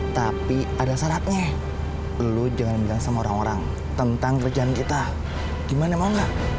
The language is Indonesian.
tapi ada syaratnya belu jangan bilang sama orang orang tentang kerjaan kita gimana mau gak